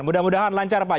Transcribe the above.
mudah mudahan lancar pak